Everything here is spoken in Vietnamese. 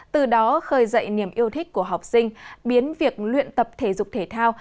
từ đó khơi dậy niềm yêu thích của học sinh biến việc luyện tập thể dục thể thao